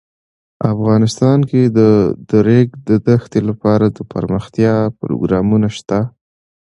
افغانستان کې د د ریګ دښتې لپاره دپرمختیا پروګرامونه شته.